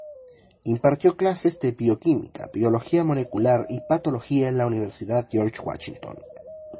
Impartió clases de Bioquímica, Biología Molecular y Patología en la Universidad George Washington.